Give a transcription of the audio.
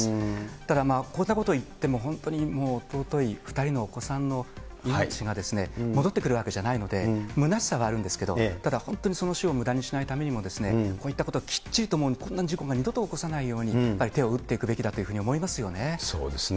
ただ、こういったことを言っても、本当にもう尊い２人のお子さんの命が戻ってくるわけじゃないので、虚しさはあるんですけど、ただ、本当にその死をむだにしないためにも、こういったことをきっちりと、こんな事故二度と起こさないように、やっぱり手を打っていくそうですね。